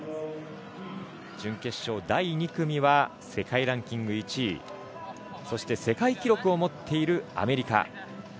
準決勝第２組は世界ランキング１位そして世界記録を持っているアメリカ。